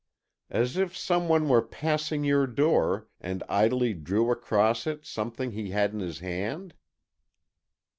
"As if some one were passing your door, and idly drew across it something he had in his hand?"